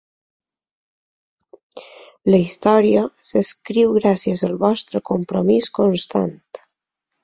La història s'escriu gràcies al vostre compromís constant.